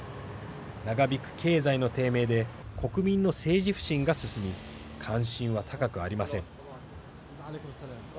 長引く経済の低迷で国民の政治不信が進み関心は高くありません。